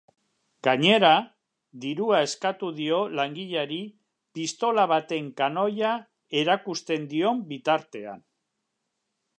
Gainera, dirua eskatu dio langileari pistola baten kanoia erakusten dion bitartean.